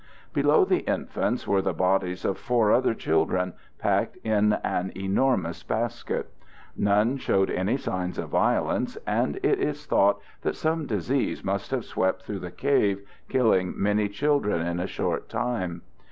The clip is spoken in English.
Below the infants were the bodies of four other children packed in an enormous basket. None showed any signs of violence, and it is thought that some disease must have swept through the cave, killing many children in a short time.